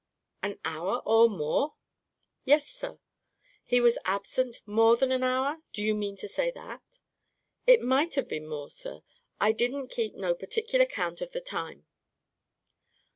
"An hour, or more?" "Yes, sir." "He was absent more than an hour; do you mean to say that?" "It might have been more, sir. I didn't keep no particular 'count of the time."